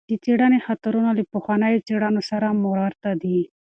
د څېړنې خطرونه له پخوانیو څېړنو سره ورته دي.